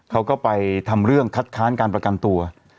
เขาก็ไปทำเรื่องคัดค้านการประกันตัว